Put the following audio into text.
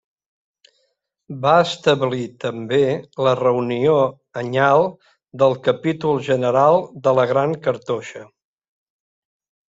Va establir també la reunió anyal del capítol general de la Gran Cartoixa.